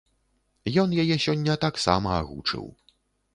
Ён яе сёння таксама агучыў.